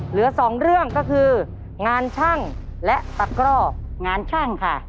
เหลือสองเรื่องก็คืองานช่างและตะกรอกงานช่างค่ะ